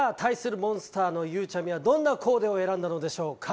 モンスターのゆうちゃみはどんなコーデを選んだのでしょうか？